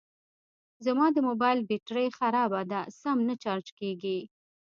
زما د موبایل بېټري خرابه ده سم نه چارج کېږي